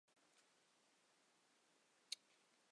通假字使得文章很难读懂。